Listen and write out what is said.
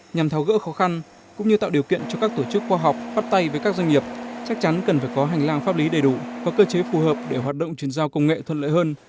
nhằm tháo gỡ khó khăn cũng như tạo điều kiện cho các tổ chức khoa học bắt tay với các doanh nghiệp chắc chắn cần phải có hành lang pháp lý đầy đủ và cơ chế phù hợp để hoạt động chuyển giao công nghệ thuận lợi hơn